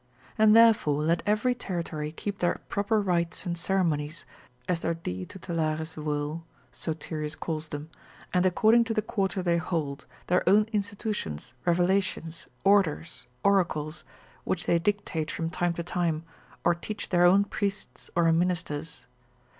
And therefore let every territory keep their proper rites and ceremonies, as their dii tutelares will, so Tyrius calls them, and according to the quarter they hold, their own institutions, revelations, orders, oracles, which they dictate from time to time, or teach their own priests or ministers.